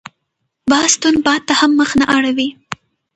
باز تند باد ته هم مخ نه اړوي